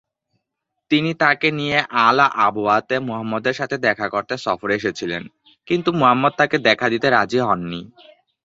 তিনি তাকে নিয়ে আল-আবওয়াতে মুহাম্মদের সাথে দেখা করতে সফরে এসেছিলেন; কিন্তু মুহাম্মদ তাকে দেখা দিতে রাজি হননি।